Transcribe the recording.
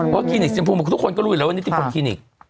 เพราะคลินิกชมพูทุกคนก็รู้อยู่แล้วว่านิติคนคลินิก